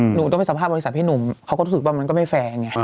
หนูต้องไปสัมภาษณ์บริษัทพี่หนุ่มเขาก็รู้สึกว่ามันก็ไม่แฟร์ไง